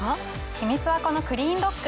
秘密はこのクリーンドック。